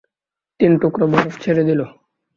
তিন টুকরা বরফ ছেড়ে দিল।